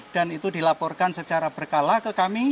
dan itu dilaporkan secara berkala ke kami